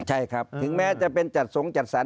ใช่ครับถึงแม้จะเป็นจัดสงจัดสรร